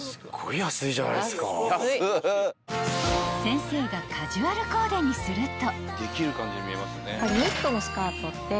［先生がカジュアルコーデにすると］